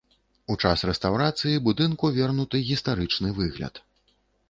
У час рэстаўрацыі будынку вернуты гістарычны выгляд.